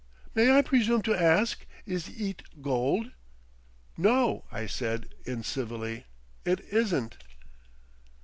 "May I presume to ask—is eet gold?" "No," I said incivilly, "it isn't."